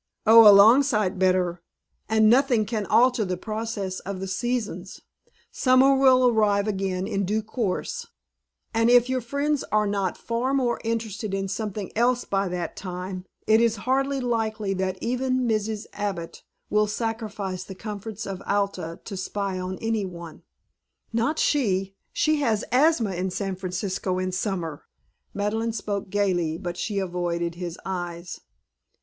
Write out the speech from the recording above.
"Oh, a long sight better. And nothing can alter the procession of the seasons. Summer will arrive again in due course, and if your friends are not far more interested in something else by that time it is hardly likely that even Mrs. Abbott will sacrifice the comforts of Alta to spy on any one." "Not she! She has asthma in San Francisco in summer." Madeleine spoke gaily, but she avoided his eyes.